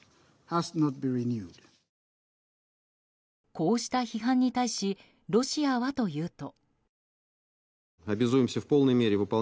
こうした批判に対しロシアはというと。